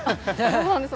そうなんです。